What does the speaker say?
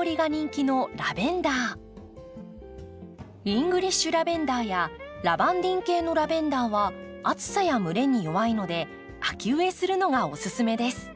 イングリッシュラベンダーやラバンディン系のラベンダーは暑さや蒸れに弱いので秋植えするのがおすすめです。